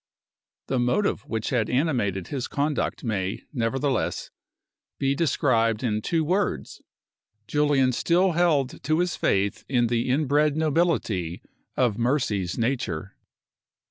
The motive which had animated his conduct may, nevertheless, be described in two words: Julian still held to his faith in the inbred nobility of Mercy's nature.